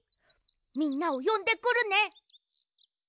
みんなをよんでくるね。